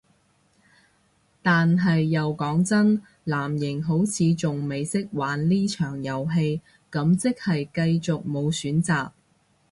但係又講真，藍營好似仲未識玩呢場遊戲，咁即係繼續無選擇